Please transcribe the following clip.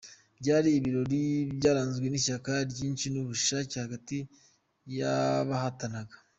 Byari ibirori byaranzwe n’ishyaka ryinshi n’ubushake hagati y’abahatanaga.